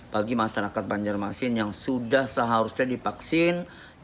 bagi masyarakat banjarmasin yang sudah seharusnya dipaksin